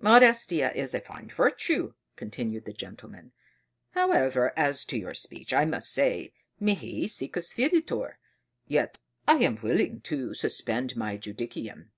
"Modestia is a fine virtue," continued the gentleman; "however, as to your speech, I must say mihi secus videtur: yet I am willing to suspend my judicium."